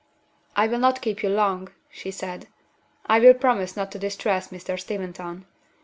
"I will not keep you long," she said. "I will promise not to distress Mr. Steventon.